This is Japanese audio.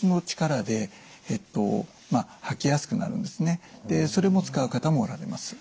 あとはそれも使う方もおられます。